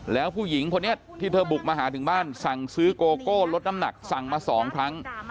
แล้วผู้หญิงคนนี้ที่เธอบุกมาหาถึงบ้านสั่งซื้อโกโก้ลดน้ำหนักสั่งมา๒ครั้ง